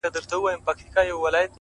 اخلاص د الفاظو ارزښت زیاتوي,